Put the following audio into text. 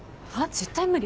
絶対無理。